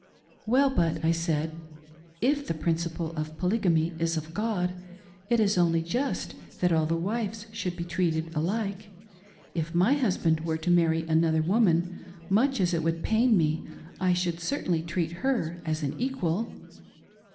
" Well but," I said, " if the principle of Polygamy is of God, it is only just that all the wives should be treated alike. If my husband were to marry another woman, much as it would pain me, I should certainly treat her as an equal."